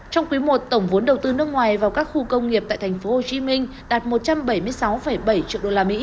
trong quý i tổng vốn đầu tư nước ngoài vào các khu công nghiệp tại tp hcm đạt một trăm bảy mươi sáu bảy triệu usd